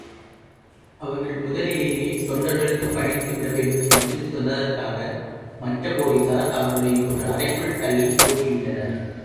அவர்கள் முதலிலேயே தொண்டர்களுக்குப் பணிந்து விடவேண்டும் என்று சொன்னதற்காக மற்றப் போலிஸார் அவர்களை ஒரு அறைக்குள் தள்ளிப்பூட்டிவிட்டனர்.